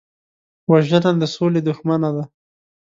وژنه د سولې دښمنه ده